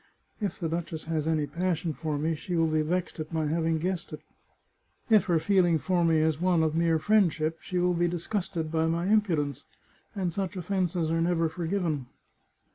If the duchess has any passion for me, she will be vexed at my having guessed it. If her feeling for me is one of mere friendship she will be disgusted by my impudence, and such offences are never forgiven."